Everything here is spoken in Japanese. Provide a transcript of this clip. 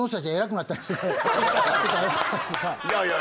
いやいや。